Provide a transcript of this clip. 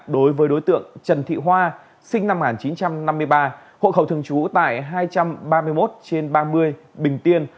đối với đối tượng trần thị hoa sinh năm một nghìn chín trăm năm mươi ba hộ khẩu thương chú tại hai trăm ba mươi một trên ba mươi